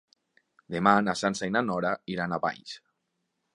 Demà na Sança i na Nora iran a Valls.